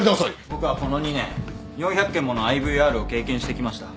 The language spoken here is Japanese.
僕はこの２年４００件ものＩＶＲを経験してきました。